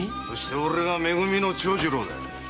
俺がめ組の長次郎だ。